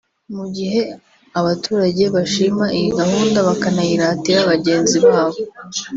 Mu gihe abaturage bashima iyi gahunda bakanayiratira bagenzi babo